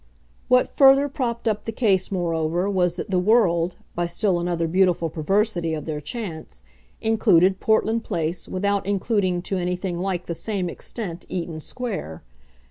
What further propped up the case, moreover, was that the "world," by still another beautiful perversity of their chance, included Portland Place without including to anything like the same extent Eaton Square.